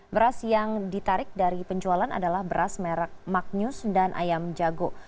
beras yang ditarik dari penjualan adalah beras merek magnus dan ayam jago